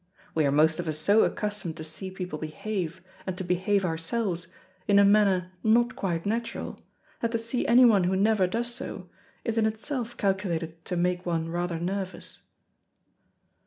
We are most of us so accustomed to see people behave, and to behave ourselves, in a manner not quite natural, that to see anyone who never does so, is in itself calculated to make one rather nervous.